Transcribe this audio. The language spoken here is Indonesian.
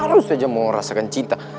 harus saja mau merasakan cinta